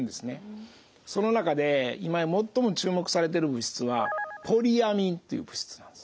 その中で今最も注目されてる物質はポリアミンっていう物質なんです。